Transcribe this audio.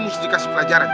mesti dikasih pelajaran